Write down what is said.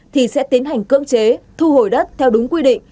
thì sẽ tiến hành cưỡng chế thu hồi đất theo đúng quy định